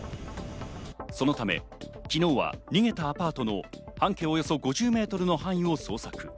そのため昨日は逃げたアパートの半径およそ５０ｍの範囲を捜索。